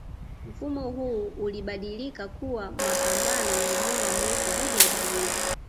mfumo huu ulibadilika kuwa mapambano ya muda mrefu dhidi ya ubaguzi